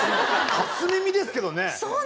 初耳ですけどね。